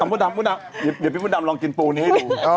เอ้าอ๋อมูดำมูดำเดี๋ยวพี่มูดำลองกินปูนี้